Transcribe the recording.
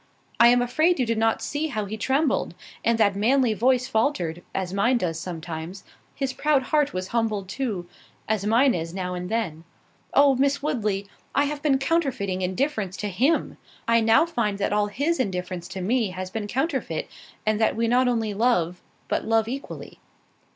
I am afraid you did not see how he trembled? and that manly voice faltered, as mine does sometimes—his proud heart was humbled too, as mine is now and then. Oh! Miss Woodley, I have been counterfeiting indifference to him—I now find that all his indifference to me has been counterfeit, and that we not only love, but love equally."